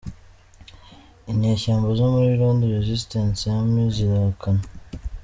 Inyeshyamba zo muri Lord Resistance Army zirahakana .